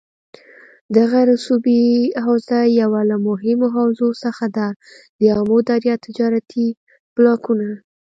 دغه رسوبي حوزه یوه له مهمو حوزو څخه ده دآمو دریا تجارتي بلاکونه